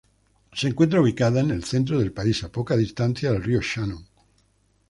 Se encuentra ubicada en el centro del país, a poca distancia del río Shannon.